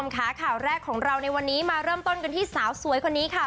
ค่ะข่าวแรกของเราในวันนี้มาเริ่มต้นกันที่สาวสวยคนนี้ค่ะ